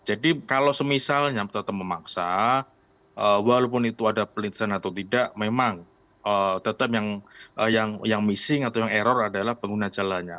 jadi kalau semisalnya tetap memaksa walaupun itu ada perlintasan atau tidak memang tetap yang missing atau yang error adalah pengguna jalannya